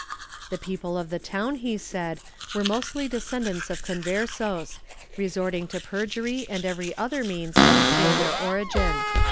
The people of the town, he said, were mostly descendants of Conversos, resorting to perjury and every other means to conceal their origin.